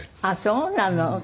あっそうなの。